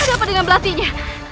ada apa dengan belatinya